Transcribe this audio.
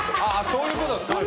そういうこと。